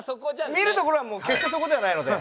見るところはもう決してそこではないので。